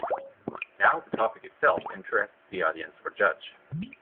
Now the topic itself interests the audience or judge.